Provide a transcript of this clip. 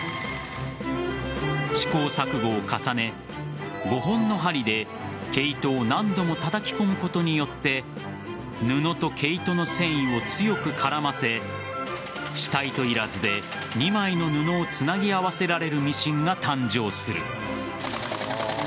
試行錯誤を重ね５本の針で、毛糸を何度もたたき込むことによって布と毛糸の繊維を強く絡ませ下糸いらずで２枚の布をつなぎ合わせられるミシンが誕生する。